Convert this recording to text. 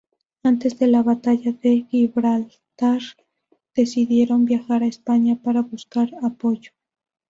Antes de la Batalla de Gibraltar decidieron viajar a España para buscar apoyo.